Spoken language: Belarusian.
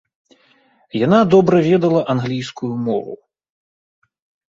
Яна добра ведала англійскую мову.